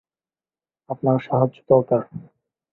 আপনার সাহায্য দরকার।